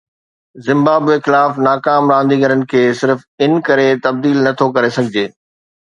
Zimbabwe خلاف ناڪام رانديگرن کي صرف ان ڪري تبديل نٿو ڪري سگهجي